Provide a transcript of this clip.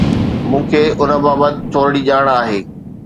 مون کي ان بابت ٿورڙي ڄاڻ آهي.